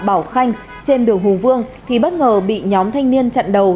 phạm văn sang và bảo khanh trên đường hù vương thì bất ngờ bị nhóm thanh niên chặn đầu